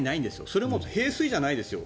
それも平水じゃないですよ